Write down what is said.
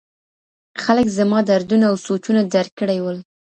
خلک زما دردونه او سوچونه درک کړي ول.